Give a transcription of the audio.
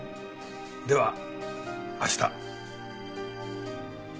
では明日。